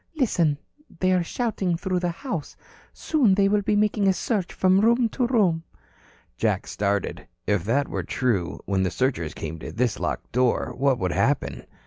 "Listen. They are shouting through the house. Soon they will be making a search from room to room." Jack started. If that were true, when the searchers came to this locked door, what would happen?